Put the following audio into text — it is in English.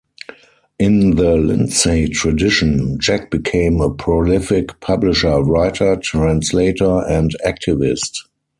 In the Lindsay tradition, Jack became a prolific publisher, writer, translator and activist.